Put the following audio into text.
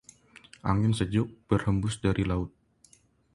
Angin sejuk berhembus dari laut.